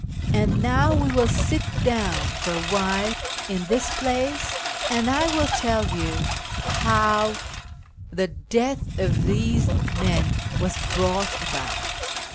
And now we will sit down for a while in this place, and I will tell you how the ISFAHAN 213 death of these meD was brought about.